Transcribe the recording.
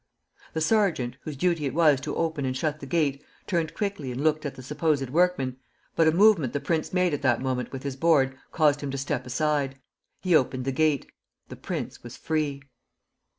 The sergeant, whose duty it was to open and shut the gate, turned quickly and looked at the supposed workman; but a movement the prince made at that moment with his board caused him to step aside. He opened the gate: the prince was free.